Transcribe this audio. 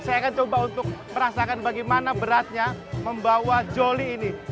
saya akan coba untuk merasakan bagaimana beratnya membawa joli ini